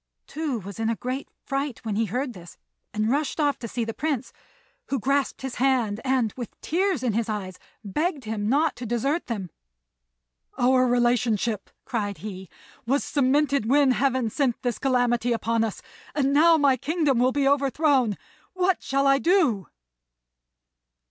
Tou was in a great fright when he heard this, and rushed off to see the Prince, who grasped his hand and, with tears in his eyes, begged him not to desert them. "Our relationship," cried he, "was cemented when Heaven sent this calamity upon us; and now my kingdom will be overthrown. What shall I do?"